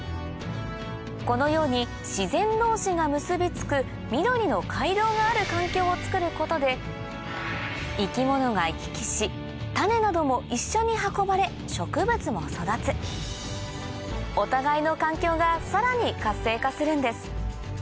このように自然同士が結び付く緑の回廊がある環境をつくることで生き物が行き来し種なども一緒に運ばれ植物も育つお互いの環境がさらに活性化するんです